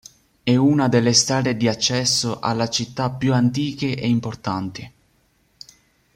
È una delle strade di accesso alla città più antiche e importanti.